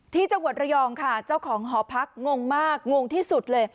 ที่จังหวัดระยองค่ะเจ้าของหอพักงงมากงงที่สุดเลย